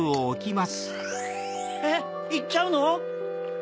えっいっちゃうの？